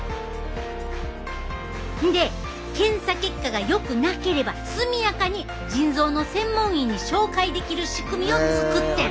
んで検査結果がよくなければ速やかに腎臓の専門医に紹介できる仕組みを作ってる。